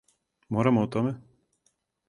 Морамо о томе?